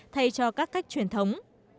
thay cho các cách truyền thống